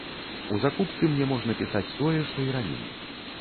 У закупцы мне можна пісаць тое, што і раней.